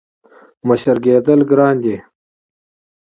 • مشر کېدل ګران دي.